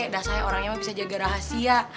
dasarnya orangnya emang bisa jaga rahasia